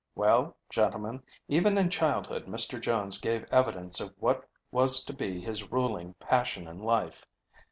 Well, gentlemen, even in childhood Mr. Jones gave evidence of what was to be his ruling passion in life.